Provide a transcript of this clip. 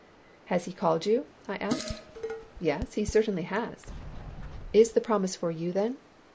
"Has He called you?" I asked. "Yes, He certainly has." "Is the promise for you then?"